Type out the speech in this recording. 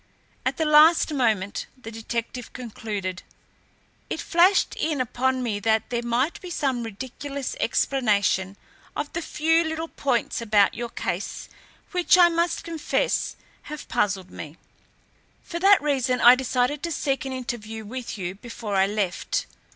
"At the last moment," the detective concluded, "it flashed in upon me that there might be some ridiculous explanation of the few little points about your case which, I must confess, have puzzled me. For that reason, I decided to seek an interview with you before I left.